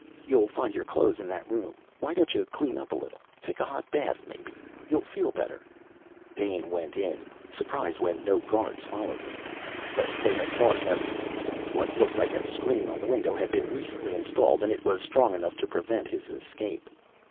You'll find your clothes in that room. Why don't you clean up a little? Take a hot bath, maybe. You'll feel better." Dane went in, surprised when no guards followed him. But they had thought of everything. What looked like a screen on the window had been recently installed and it was strong enough to prevent his escape.